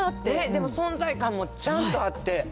でも存在感もちゃんとあって。